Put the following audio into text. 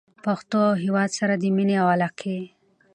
پښتو او هېواد سره د مینې او علاقې